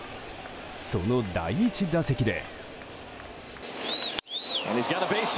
その第１打席で。